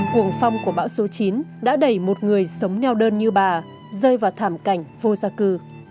cuồng phong của bão số chín đã đẩy một người sống neo đơn như bà rơi vào thảm cảnh vô gia cư